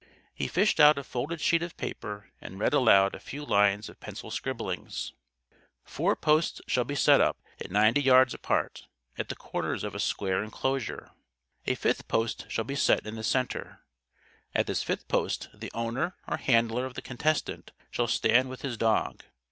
He fished out a folded sheet of paper and read aloud a few lines of pencil scribblings: "Four posts shall be set up, at ninety yards apart, at the corners of a square enclosure. A fifth post shall be set in the center. At this fifth post the owner or handler of the contestant shall stand with his dog.